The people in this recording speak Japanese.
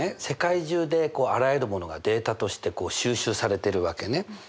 世界中であらゆるものがデータとして収集されてるわけね。